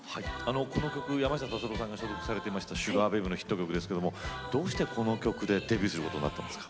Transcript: この曲は山下達郎さんが所属していたシュガー・ベイブのヒット曲ですがどうして、この曲でデビューすることになったんですか？